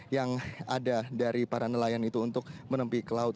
yang ada dari para nelayan itu untuk menempi ke laut